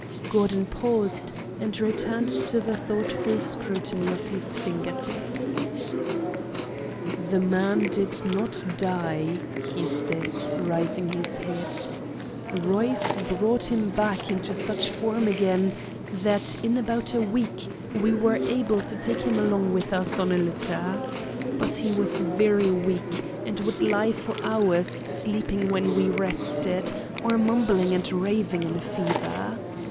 '" Gordon paused, and returned to the thoughtful scrutiny of his finger tips. "The man did not die," he said, raising his head. "Royce brought him back into such form again that in about a week we were able to take him along with us on a litter. But he was very weak, and would lie for hours sleeping when we rested, or mumbling and raving in a fever.